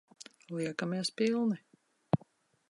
Liekamies pilni.